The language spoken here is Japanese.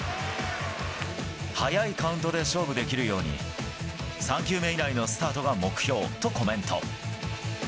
早いカウントで勝負できるように３球目以内のスタートが目標とコメント。